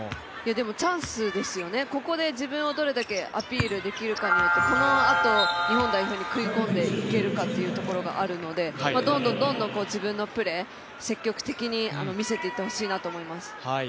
でもチャンスですよね、どこまでアピールできるか、このあと、日本代表に食い込んでいけるかということがあるので、どんどん自分のプレー、積極的に見せていってほしいなと思います。